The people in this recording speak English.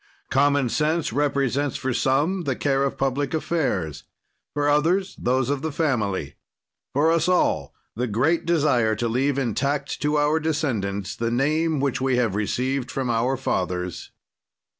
"Common sense represents for some the care of public affairs; for others those of the family; for us all the great desire to leave intact to our descendants the name which we have received from our fathers.